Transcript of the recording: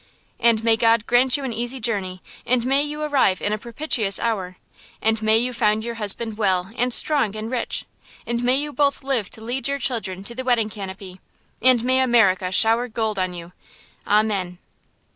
And may God grant you an easy journey, and may you arrive in a propitious hour, and may you find your husband well, and strong, and rich, and may you both live to lead your children to the wedding canopy, and may America shower gold on you. Amen."